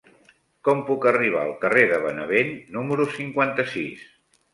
Com puc arribar al carrer de Benevent número cinquanta-sis?